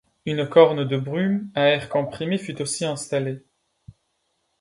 Une corne de brume, à air comprimé, fut aussi installée.